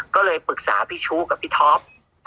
ก็เลยปรึกษาพี่ชู้กับพี่ท็อป